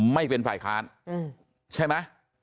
ไม่เป็นฝ่ายค้านใช่ไหม